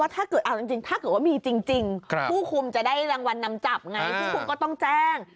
ถ้าเกิดว่ามีจริงผู้คุมจะได้รางวัลน้ำจับไงผู้คุมก็ต้องแจ้ง